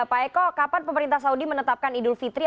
pak eko kapan pemerintah saudi menetapkan idul fitri